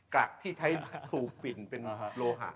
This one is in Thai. รักที่ใช้สูบฝิ่นเป็นโลหะ